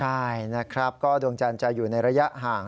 ใช่นะครับก็ดวงจันทร์จะอยู่ในระยะห่าง